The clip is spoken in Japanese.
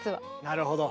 なるほど。